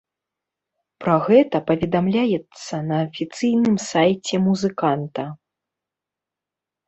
Пра гэта паведамляецца на афіцыйным сайце музыканта.